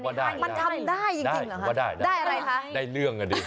มันทำได้จริงหรอครับได้อะไรคะได้เรื่องอ่ะดิ